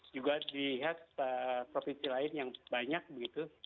juga di lihat provinsi lain yang banyak begitu